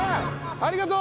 ありがとう！